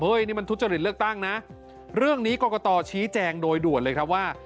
นี่มันทุจริตเลือกตั้งนะเรื่องนี้กรกตชี้แจงโดยด่วนเลยครับว่า